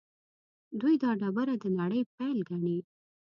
دوی دا ډبره د نړۍ پیل ګڼي.